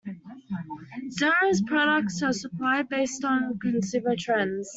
Zara's products are supplied based on consumer trends.